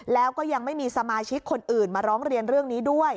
แล้วก็ยังไม่มีสมาชิกคนอื่นมาร้องเรียนเรื่องนี้ด้วย